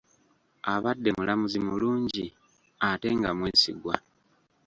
Abadde mulamuzi mulungi ate nga mwesigwa.